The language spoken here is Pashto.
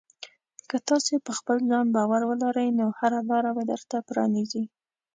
که تاسې په خپل ځان باور ولرئ، نو هره لاره به درته پرانیزي.